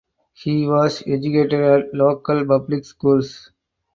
He was educated at local public schools.